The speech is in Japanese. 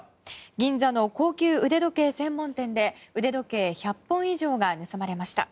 銀座の高級腕時計専門店で腕時計１００本以上が盗まれました。